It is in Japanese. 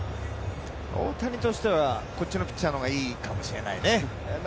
大谷としてはこっちのピッチャーの方がいいかもしれないね。